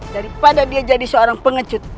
daripada dia jadi seorang pengecut